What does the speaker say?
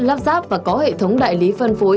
lắp ráp và có hệ thống đại lý phân phối